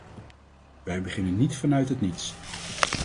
Wij beginnen niet vanuit het niets.